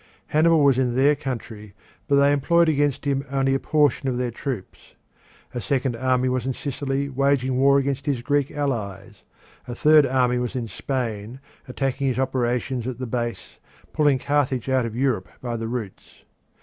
Hannibal was in their country, but they employed against him only a portion of their troops. A second army was in Sicily waging war against his Greek allies; a third army was in Spain, attacking his operations at the base, pulling Carthage out of Europe by the roots.